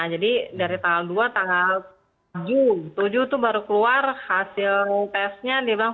jadi dari tanggal dua tanggal tujuh tuh baru keluar hasil tesnya dia bilang